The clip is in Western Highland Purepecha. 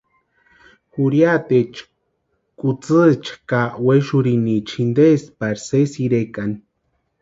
Jurhiataecha, kutsïicha ka wexurhikwaecha jintestiksï pari sésï irekani.